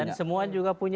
dan semua juga punya